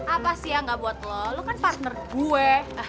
apa sih yang gak buat lo kan partner gue